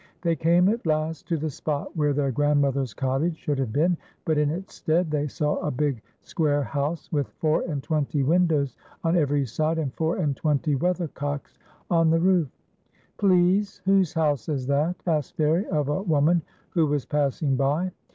They came at last to the spot where, their grandmother's cottage should have been, but in its stead they saw a big square l84 FAIRIE AND BROWNIE. house, with four and tvventy windows on every side, and four and twenty weathercocks on the roof, "Please, whose house is that?" asked Fairie of a woman who was passing by.